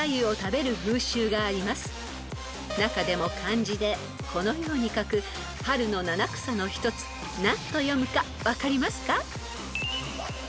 ［中でも漢字でこのように書く春の七草の一つ何と読むか分かりますか？］